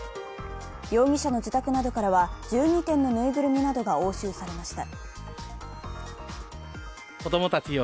容疑者の自宅などからは１２点のぬいぐるみなどが押収されました。